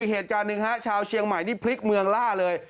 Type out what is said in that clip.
เหตุการณ์หนึ่งฮะชาวเชียงใหม่นี่พลิกเมืองล่าเลย